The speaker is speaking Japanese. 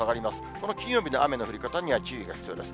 この金曜日の雨の降り方には注意が必要です。